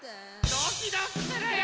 ドキドキするよ。